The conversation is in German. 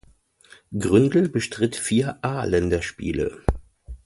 Gründel bestritt vier A-Länderspiele.